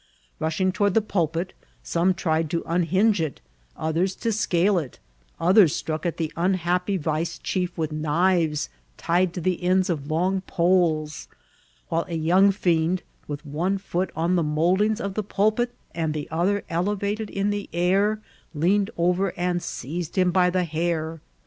Rushing toward the pulpit, some tried to mihinge it, others to scale it ; others struck at the mihappy vice chief with knives tied to the ends of long poles ; while a young fiend, with one foot on the mould ings of the pulpit and the other elevated in the air, leaned over and seized him by the hair.